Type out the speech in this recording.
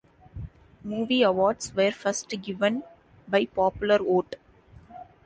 Movie awards were first given by popular vote.